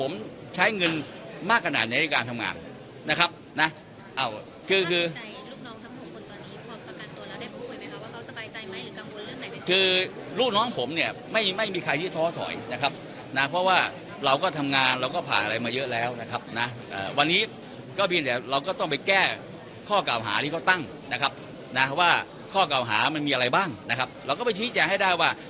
รูปน้องทำหกคนตอนนี้พอประกันตัวแล้วได้พูดไหมครับว่าเขาสบายใจไหมหรือกังวลเรื่องไหนคือรูปน้องผมเนี้ยไม่มีไม่มีใครที่ท้อถอยนะครับนะเพราะว่าเราก็ทำงานเราก็ผ่านอะไรมาเยอะแล้วนะครับนะอ่าวันนี้ก็เพียงแต่เราก็ต้องไปแก้ข้อกล่าวหาที่เขาตั้งนะครับนะว่าข้อกล่าวหามันมีอะไรบ้างนะครับเราก็ไปชี้แจงให้ได้ว่า